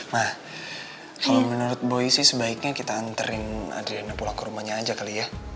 nah kalau menurut boy sih sebaiknya kita anterin adriana pulang ke rumahnya aja kali ya